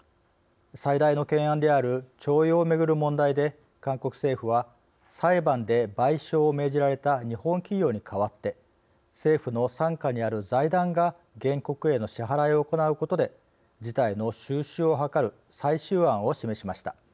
最大の懸案である徴用を巡る問題で韓国政府は裁判で賠償を命じられた日本企業に代わって政府の傘下にある財団が原告への支払いを行うことで事態の収拾を図る最終案を示しました。